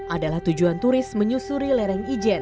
adalah tujuan turis menyusuri lereng ijen